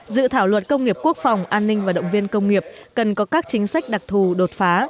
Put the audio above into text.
dự thảo luật công nghiệp quốc phòng an ninh và động viên công nghiệp cần có các chính sách đặc thù đột phá